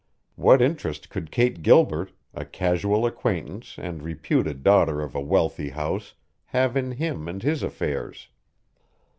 What interest could Kate Gilbert, a casual acquaintance and reputed daughter of a wealthy house, have in him and his affairs?